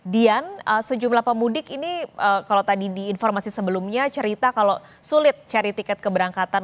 dian sejumlah pemudik ini kalau tadi di informasi sebelumnya cerita kalau sulit cari tiket keberangkatan